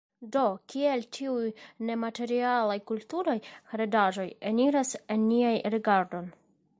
Do kiel tiuj nematerialaj kulturaj heredaĵoj eniris en nian rigardon?